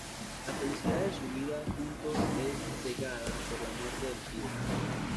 La felicidad de su vida juntos es sesgada por la muerte del tío.